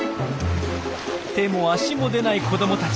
手も足も出ない子どもたち。